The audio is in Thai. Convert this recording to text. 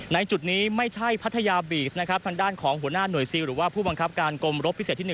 จุดนี้ไม่ใช่พัทยาบีชนะครับทางด้านของหัวหน้าหน่วยซิลหรือว่าผู้บังคับการกรมรบพิเศษที่๑